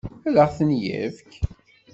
Ad ɣ-ten-yefk?